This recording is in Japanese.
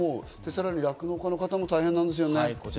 さらに酪農家の方も大変なんですね。